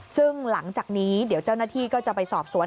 ซึ่งหลังจากนี้เดี๋ยวเจ้าหน้าที่ก็จะไปสอบสวน